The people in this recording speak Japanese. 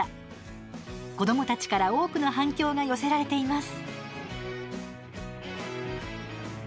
子どもたちから多くの反響が寄せられています。